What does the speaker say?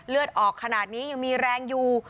เลือดออกขนาดนี้ยังมีแรงอยู่